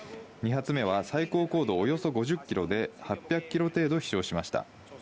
２発目は最高高度およそ５０キロで８００キロ程度飛翔しました。